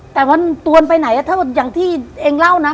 แต่ว่าตัวนไปไหนอย่างที่เองเล่านะ